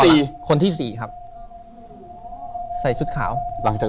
ถูกต้องไหมครับถูกต้องไหมครับ